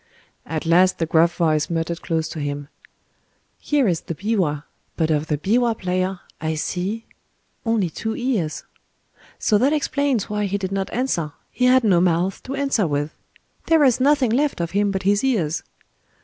At last the gruff voice muttered close to him:— "Here is the biwa; but of the biwa player I see—only two ears!... So that explains why he did not answer: he had no mouth to answer with—there is nothing left of him but his ears...